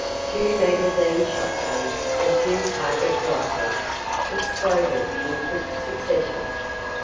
Two magazine shotguns and two target rifles exploded in quick succession.